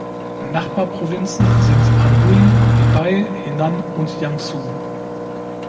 Nachbarprovinzen sind Anhui, Hebei, Henan und Jiangsu.